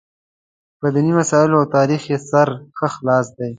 په دیني مسایلو او تاریخ یې سر ښه خلاص دی.